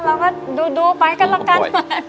เราก็ดูไปกันละกัน